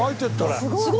すごい！